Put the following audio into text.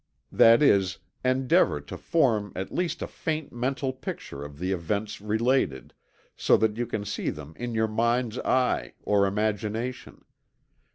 That is, endeavor to form at least a faint mental picture of the events related, so that you see them "in your mind's eye," or imagination.